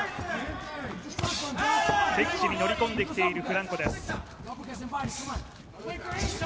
敵地に乗り込んできているフランコです。